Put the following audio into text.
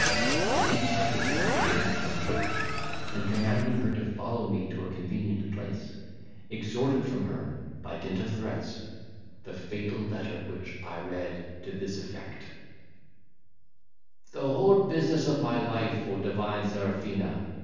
I intercepted her in returning from church, and, commanding her to follow me to a convenient place, extorted from her, by dint of threats, the fatal letter, which I read to this effect:— "The whole business of my life, O divine Serafina!